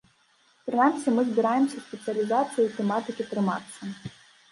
Прынамсі мы збіраемся спецыялізацыі і тэматыкі трымацца.